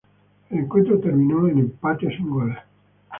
El encuentro terminó en empate sin goles.